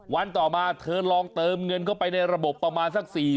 วันต่อมาเธอลองเติมเงินเข้าไปในระบบประมาณสัก๔๐๐